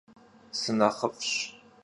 Sınexhıf'ş.